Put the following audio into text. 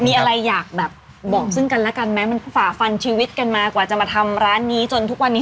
มีอะไรอยากแบบบอกซึ่งกันแล้วกันไหมมันฝ่าฟันชีวิตกันมากว่าจะมาทำร้านนี้จนทุกวันนี้